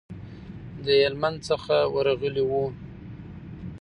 د هلمند څخه ورغلي وو.